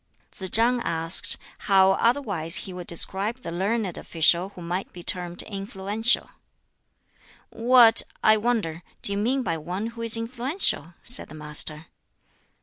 Tsz chang asked how otherwise he would describe the learned official who might be termed influential. "What, I wonder, do you mean by one who is influential?" said the Master.